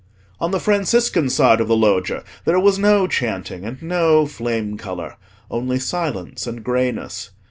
On the Franciscan side of the Loggia there was no chanting and no flame colour: only silence and greyness.